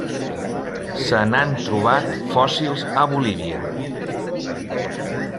Se n'han trobat fòssils a Bolívia.